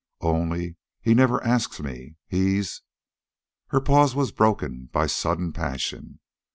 "Only, he never asks me. He's..." Her pause was broken by sudden passion.